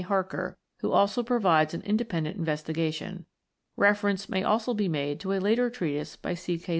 Harker(47), who also provides an independent investigation. Reference may also be made to a later treatise by C. K.